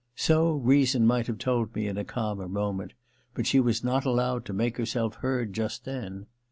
So reason might have told me in a calmer moment, but she was not allowed to make herself heard just then.